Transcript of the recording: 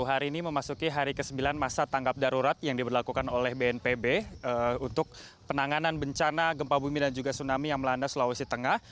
hari ini memasuki hari ke sembilan masa tanggap darurat yang diberlakukan oleh bnpb untuk penanganan bencana gempa bumi dan juga tsunami yang melanda sulawesi tengah